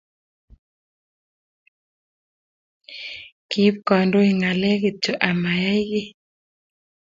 Kiib kandoik ng'aleek kityo ama yaei kiy